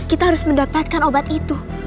kita harus mendapatkan obat itu